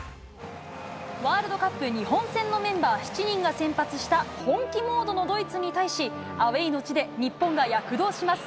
ワールドカップ日本戦のメンバー、７人が先発した本気モードのドイツに対し、アウエーの地で日本が躍動します。